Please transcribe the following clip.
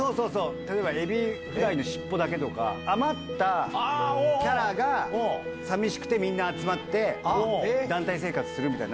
例えばエビフライの尻尾だけとか余ったキャラが寂しくてみんな集まって団体生活するみたいな。